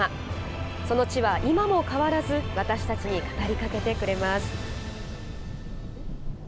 その地は今も変わらず私たちに語りかけてくれます。